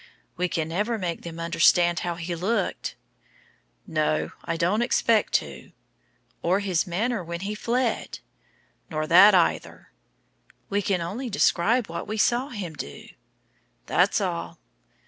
"We can never make them understand how he looked." "No. I don't expect to." "Or his manner as he fled." "Nor that either." "We can only describe what we saw him do." "That's all."